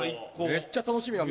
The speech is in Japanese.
めっちゃ楽しみ。